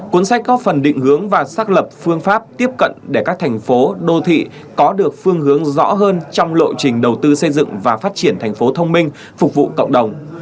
cuốn sách có phần định hướng và xác lập phương pháp tiếp cận để các thành phố đô thị có được phương hướng rõ hơn trong lộ trình đầu tư xây dựng và phát triển thành phố thông minh phục vụ cộng đồng